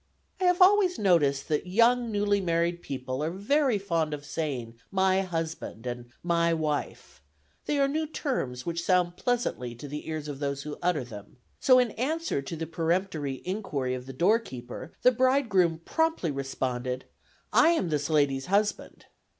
I have always noticed that young newly married people are very fond of saying "my husband" and "my wife;" they are new terms which sound pleasantly to the ears of those who utter them; so in answer to the peremptory inquiry of the door keeper, the bridegroom promptly responded: "I am this lady's husband."